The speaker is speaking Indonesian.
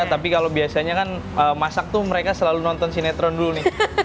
tapi kalau biasanya kan masak tuh mereka selalu nonton sinetron dulu nih